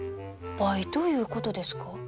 バイトいうことですか？